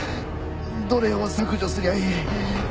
どれを削除すりゃいい？